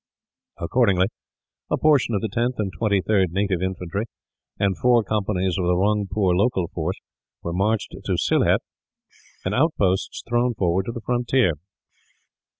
Accordingly, a portion of the 10th and 23rd Native Infantry, and four companies of the Rungpoor local force, were marched to Sylhet; and outposts thrown forward to the frontier.